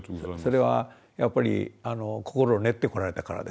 それはやっぱり心練ってこられたからですかね。